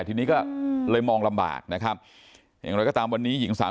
ที่นี่ก็เลยมองลำบากนะยังล่ะก็ตามว่า